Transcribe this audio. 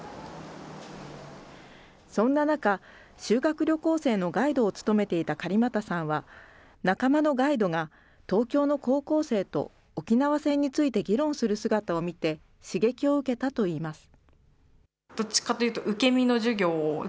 そんな中、修学旅行生のガイドを務めていた狩俣さんは、仲間のガイドが東京の高校生と沖縄戦について議論する姿を見て刺激を受けたといいます。